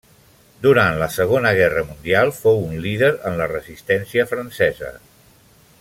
Durant la Segona Guerra Mundial, fou un líder en la resistència francesa.